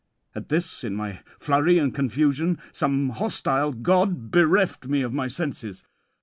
At this, in my flurry and confusion, some hostile god bereft me of my senses.